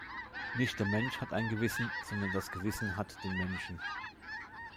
Nicht der Mensch hat ein Gewissen, sondern das Gewissen hat den Menschen.